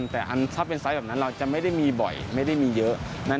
แต่อันถ้าเป็นไซส์แบบนั้นเราจะไม่ได้มีบ่อยไม่ได้มีเยอะ